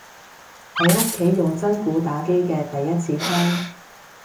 喺屋企用真鼓打機嘅第一次聽